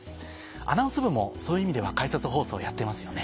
アナウンス部もそういう意味では解説放送やってますよね？